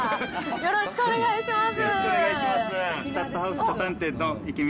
よろしくお願いします。